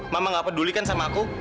mama gak peduli kan sama aku